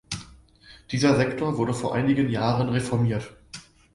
Dieser Sektor wurde vor einigen Jahren reformiert.